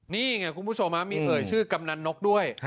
นี่ไงคุณผู้ชมมีเอ่ยชื่อกำนันนกด้วย